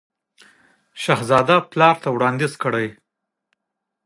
شهزاده پلار ته پېشنهاد کړی.